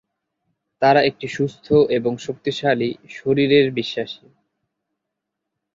তারা একটি সুস্থ এবং শক্তিশালী শরীরের বিশ্বাসী।